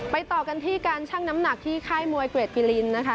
ต่อกันที่การชั่งน้ำหนักที่ค่ายมวยเกรดปิลินนะคะ